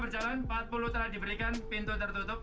setelah diberikan pintu tertutup